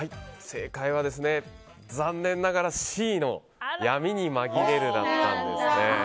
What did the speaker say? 正解は、残念ながらＣの闇にまぎれるだったんです。